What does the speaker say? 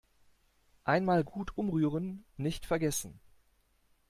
Einmal gut umrühren nicht vergessen.